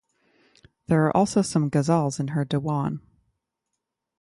There are also some Ghazals in her Diwan.